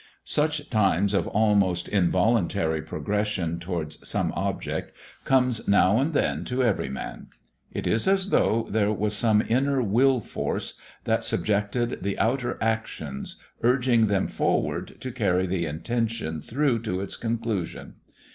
Such times of almost involuntary progression towards some object comes now and then to every man. It is as though there was some inner will force that subjected the outer actions, urging them forward to carry the intention through to its conclusion.